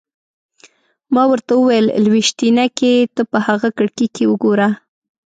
ما ورته وویل: لویشتينکې! ته په هغه کړکۍ کې وګوره.